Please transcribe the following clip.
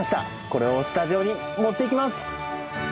これをスタジオに持っていきます！